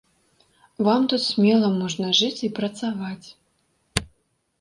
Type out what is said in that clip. Вам тут смела можна жыць і працаваць.